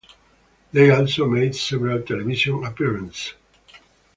They also made several television appearances.